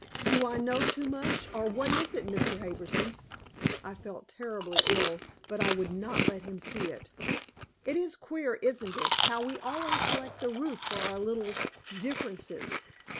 "Do I know too much, or what is it, Mr. Harbison?" I felt terribly ill, but I would not let him see it. "It is queer, isn't it how we always select the roof for our little differences?"